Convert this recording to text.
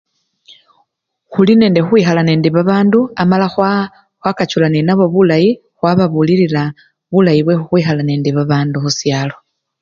Khuli nende khukhwikhala nende babandu amala khwa! khwakachula nenabo bulayi khwababulilila bulayi bwekhukhwikhala nende babandu khusyalo.